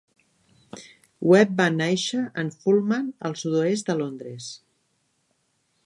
Webb va nàixer en Fulham, al sud-oest de Londres.